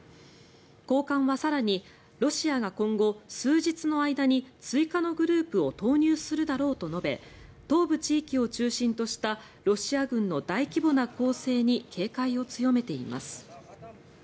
高官は更にロシアが今後、数日の間に追加のグループを投入するだろうと述べ東部地域を中心としたロシア軍の大規模な攻勢に警戒を強めています。